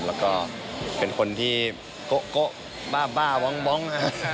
แล้วก็เป็นคนที่โก๊ะโก๊ะบ้าบ้าว้องว้อง